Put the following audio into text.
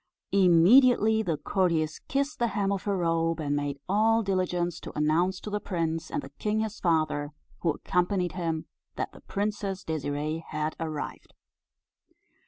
Immediately the courtiers kissed the hem of her robe, and made all diligence to announce to the prince, and the king his father, who accompanied him, that the Princess Désirée had arrived.